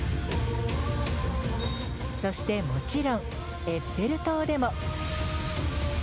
そしてもちろんエッフェル塔でも。